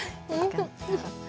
よかった。